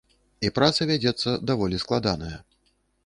І праца вядзецца даволі складаная.